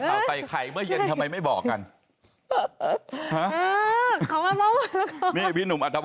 ข่าวไตไข่เบื่อเย็นทำไมไม่บอกกันฮะเขามามามามามา